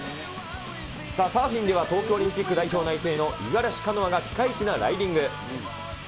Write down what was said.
サーフィンでは東京オリンピック代表内定の五十嵐カノアがピカイチなライディング。